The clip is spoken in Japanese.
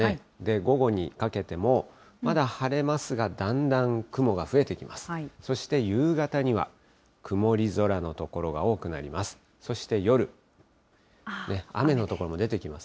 午後にかけても、まだ晴れますが、だんだん雲が増えてきます。